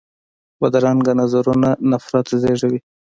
بدرنګه نظرونه نفرت زېږوي